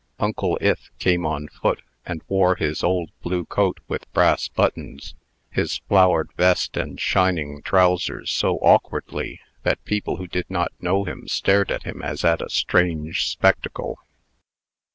Uncle Ith came on foot; and wore his old blue coat with brass buttons, his flowered vest, and shining trousers so awkwardly, that people who did not know him stared at him as at a strange spectacle.